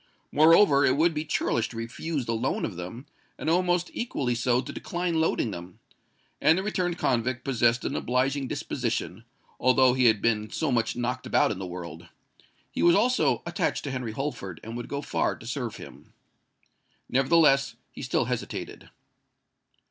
Moreover, it would be churlish to refuse the loan of them—and almost equally so to decline loading them;—and the returned convict possessed an obliging disposition, although he had been so much knocked about in the world. He was also attached to Henry Holford, and would go far to serve him. Nevertheless, he still hesitated.